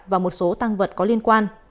và một số tăng vật có liên quan